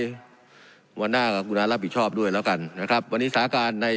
ล่วนหน้ากับกุญแนสรับผิดชอบด้วยแล้วกันนะครับวันนี้สถาการณ์ใน